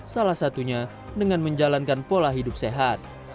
salah satunya dengan menjalankan pola hidup sehat